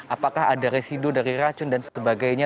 apakah ada residu dari racun dan sebagainya